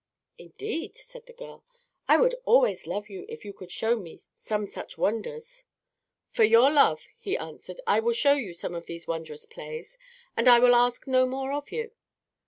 "Indeed," said the girl, "I would always love you if you could show me some such wonders." "For your love," he answered, "I will show you some of these wondrous plays, and I will ask no more of you."